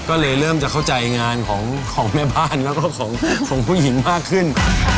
โอ้โหลงไปซ้องน้ำอีกหน่อยหนึ่ง